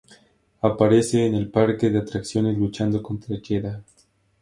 Aparece en el Parque de Atracciones luchando contra Yeda.